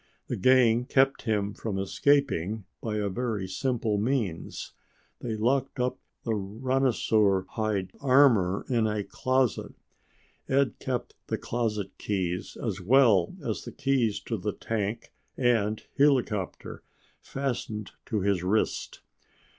The gang kept him from escaping by a very simple means they locked up the rhinosaur hide armor in a closet. Ed kept the closet keys, as well as the keys to the tank and helicopter, fastened to his wrist.